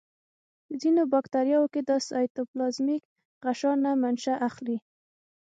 په ځینو باکتریاوو کې د سایتوپلازمیک غشا نه منشأ اخلي.